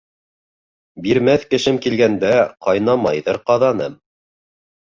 Бирмәҫ кешем килгәндә, ҡайнамайҙыр ҡаҙаным.